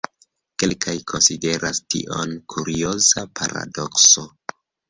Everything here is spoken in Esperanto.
Kelkaj konsideras tion kurioza paradokso.